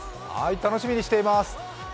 楽しみにしています。